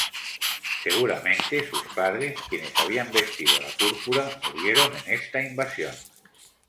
Seguramente sus padres, quienes habían vestido la púrpura, murieron en esta invasión.